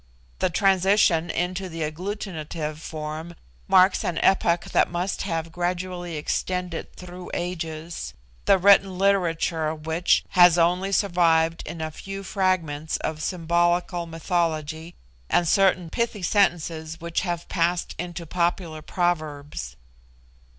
The transition into the agglutinative form marks an epoch that must have gradually extended through ages, the written literature of which has only survived in a few fragments of symbolical mythology and certain pithy sentences which have passed into popular proverbs.